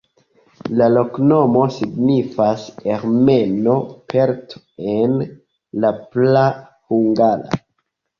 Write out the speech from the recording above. La loknomo signifas ermeno-pelto en la praa hungara.